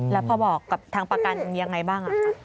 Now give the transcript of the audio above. แล้วพอบอกกับทางประกันยังไงบ้าง